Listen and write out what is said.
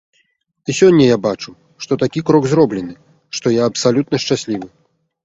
І сёння я бачу, што такі крок зроблены, што я абсалютна шчаслівы!